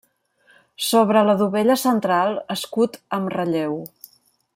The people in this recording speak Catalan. Sobre la dovella central escut amb relleu.